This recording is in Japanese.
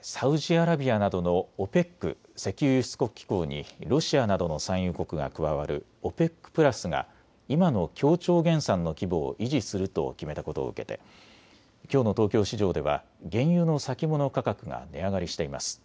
サウジアラビアなどのＯＰＥＣ・石油輸出国機構にロシアなどの産油国が加わるＯＰＥＣプラスが今の協調減産の規模を維持すると決めたことを受けてきょうの東京市場では原油の先物価格が値上がりしています。